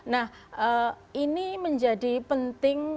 nah ini menjadi penting